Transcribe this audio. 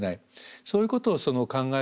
そういうことを考えるとですね